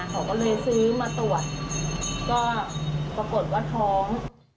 เขาก็เลยซื้อมาตรวจก็ปรากฏว่าท้อง